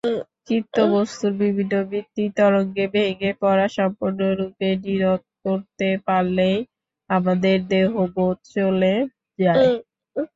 চিত্তবস্তুর বিভিন্ন বৃত্তি-তরঙ্গে ভেঙে পড়া সম্পূর্ণরূপে নিরোধ করতে পারলেই আমাদের দেহবোধ চলে যায়।